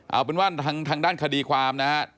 เอาเป็นว่าทางด้านคดีความนะฮะ